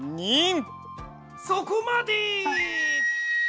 そこまで！